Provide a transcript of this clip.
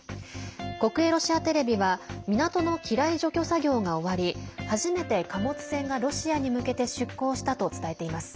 国営ロシアテレビは港の機雷除去作業が終わり初めて貨物船がロシアに向けて出港したと伝えています。